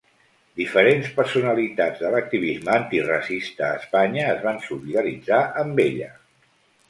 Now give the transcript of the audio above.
Diferents personalitats de l'activisme antiracista a Espanya es van solidaritzar amb ella.